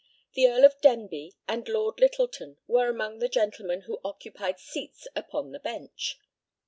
The Earl of Denbigh and Lord Lyttleton were among the gentlemen who occupied seats upon the bench.